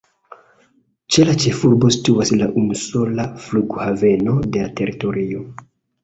Ĉe la ĉefurbo situas la unusola flughaveno de la teritorio.